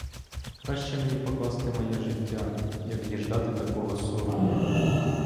Краще мені покласти моє життя, як діждати такого сорому.